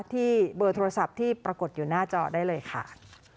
ที่เบอร์โทรศัพท์ที่ปรากฏอยู่หน้าจอได้เลยค่ะ